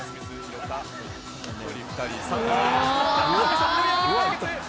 １人、２人。